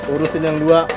urusin yang dua